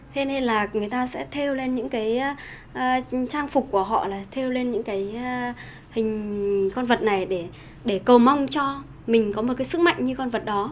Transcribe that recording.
thế nên là người ta sẽ theo lên những cái trang phục của họ là theo lên những cái hình con vật này để cầu mong cho mình có một cái sức mạnh như con vật đó